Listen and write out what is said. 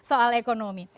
tidak hanya soal ekonomi